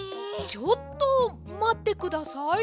ちょっとまってください。